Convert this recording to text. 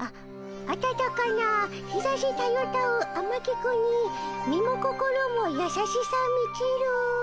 あ「あたたかな日ざしたゆたうあまき国身も心もやさしさみちる」。